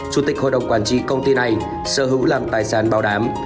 chủ tịch hội đồng quản trị công ty này sở hữu làm tài sản bảo đảm